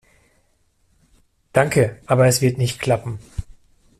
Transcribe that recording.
Danke, aber es wird nicht klappen.